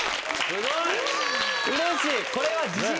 すごい。